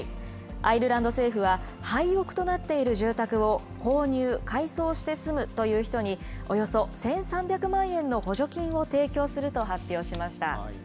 アイルランド政府は、廃屋となっている住宅を購入・改装して住むという人におよそ１３００万円の補助金を提供すると発表しました。